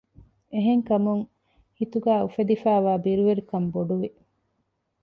އެހެންކަމުން ހިތުގައި އުފެދިފައިވާ ބިރުވެރިކަން ބޮޑުވި